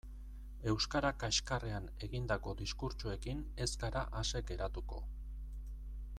Euskara kaxkarrean egindako diskurtsoekin ez gara ase geratuko.